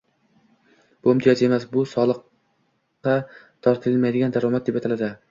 Bu imtiyoz emas, u soliqqa tortilmaydigan daromad deb ataladi